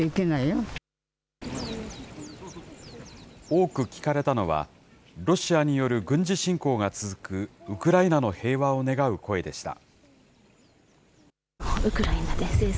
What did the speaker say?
多く聞かれたのは、ロシアによる軍事侵攻が続くウクライナの平和を願う声でした。